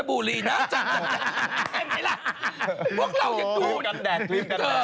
พวกเราอยากดู